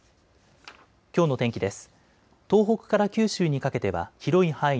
きょうの天気です。